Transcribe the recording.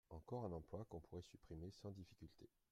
Encore un emploi qu'on pourrait supprimer sans difficulté.